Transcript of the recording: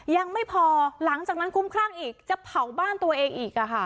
ยังไม่พอหลังจากนั้นคุ้มคลั่งอีกจะเผาบ้านตัวเองอีก